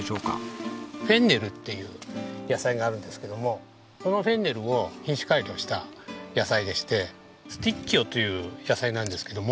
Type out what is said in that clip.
フェンネルっていう野菜があるんですけどもそのフェンネルを品種改良した野菜でしてスティッキオという野菜なんですけども。